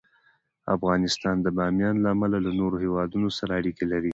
افغانستان د بامیان له امله له نورو هېوادونو سره اړیکې لري.